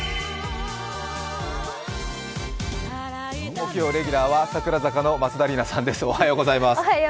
木曜レギュラーは櫻坂４６の松田里奈さんです。